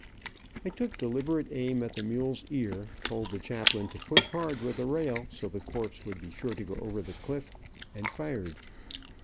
I took deliberate aim at the mule's ear, told the chaplain to push hard with the rail so the corpse would be sure to go over the cliff, and fired.